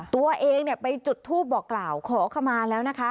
ตัวเองไปจุดทูปบอกกล่าวขอขมาแล้วนะคะ